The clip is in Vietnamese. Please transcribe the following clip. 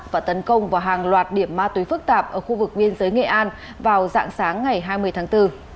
và tấn công vào hàng loạt điểm ma túy phức tạp ở khu vực biên giới nghệ an vào dạng sáng ngày hai mươi tháng bốn